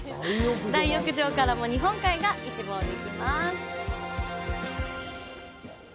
大浴場からも日本海が一望できます。